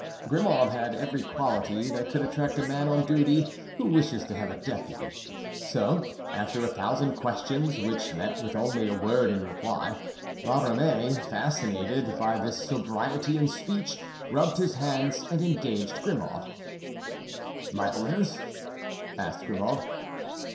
Grimaud had every quality that could attract a man on duty who wishes to have a deputy. So, after a thousand questions which met with only a word in reply, La Ramee, fascinated by this sobriety in speech, rubbed his hands and engaged Grimaud. "My orders?" asked Grimaud.